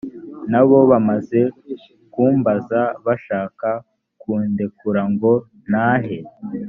na bo bamaze kumbaza bashaka kundekura ngo ntahe